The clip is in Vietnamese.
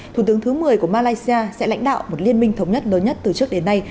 thủ tướng thứ một mươi của malaysia sẽ lãnh đạo một liên minh thống nhất lớn nhất từ trước đến nay